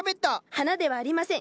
花ではありません！